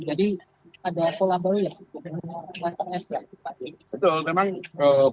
jadi ada kolaborasi yang harus dilakukan oleh masyarakat